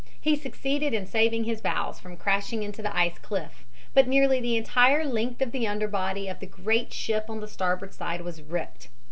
He succeeded in saving his bows from crashing into the ice cliff, but nearly the entire length of the underbody of the great ship on the starboard side was ripped.